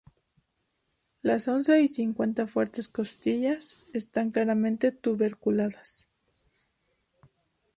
Las once y cincuenta fuertes costillas están claramente tuberculadas.